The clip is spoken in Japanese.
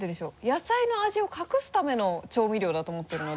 野菜の味を隠すための調味料だと思ってるので。